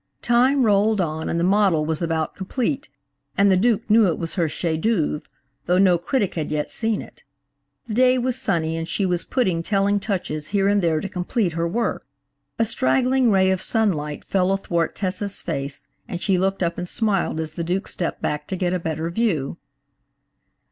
Time rolled on and the model was about complete, and the Duke knew it was her chef d'oeuvre, though no critic had yet seen it. The day was sunny and she was putting telling touches here and there to complete her work. A straggling ray of sunlight fell athwart Tessa's face and she looked up and smiled as the Duke stepped back to get a better view.